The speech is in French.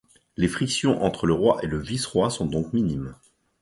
Les frictions entre le roi et le vice-roi sont donc minimes.